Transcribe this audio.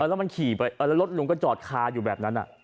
แล้วมันขี่ไปแล้วรถลุงก็จอดคาอยู่แบบนั้น